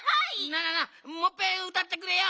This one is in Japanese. なあなあなあもっぺんうたってくれよ！